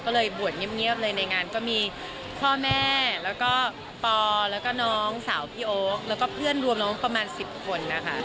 ก็เลยบวชเงียบเลยในงานก็มีพ่อแม่แล้วก็ปอแล้วก็น้องสาวพี่โอ๊คแล้วก็เพื่อนรวมน้องประมาณ๑๐คนนะคะ